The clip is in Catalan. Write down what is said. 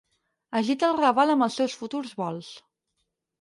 Agita el raval amb els seus futurs vols.